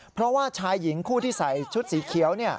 เพราะว่าชายหญิงคู่ที่ใส่ชุดสีเขียว